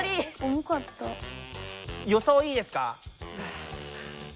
予想いいですか？